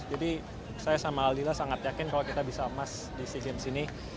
jadi saya sama aldila sangat yakin kalau kita bisa emas di sea games ini